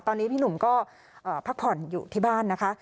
ตอนนี้พี่หนุ่มก็พักผ่อนอยู่ที่บ้านนะคะ